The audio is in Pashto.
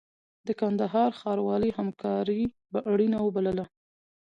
د کندهار ښاروالۍ همکاري اړینه وبلله.